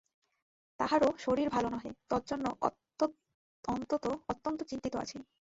তাঁহারও শরীর ভাল নহে, তজ্জন্য অত্যন্ত চিন্তিত আছি।